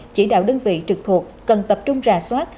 chỉ đạo đơn vị trực thuộc cần tập trung rà soát